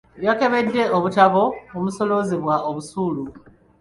Yakebedde obutabo omusoloozebwa obusuulu.